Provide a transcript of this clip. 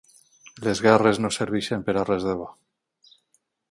Les guerres no serveixen per a res de bo.